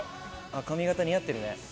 髪形、似合ってるね。